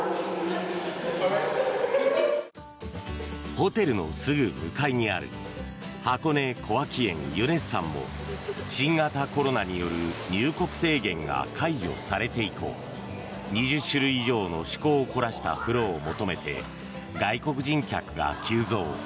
ホテルのすぐ向かいにある箱根小涌園ユネッサンも新型コロナによる入国制限が解除されて以降２０種類以上の趣向を凝らした風呂を求めて外国人客が急増。